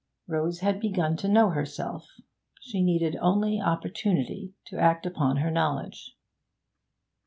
Rose had begun to know herself; she needed only opportunity to act upon her knowledge.